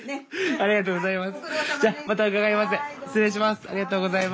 ありがとうございます。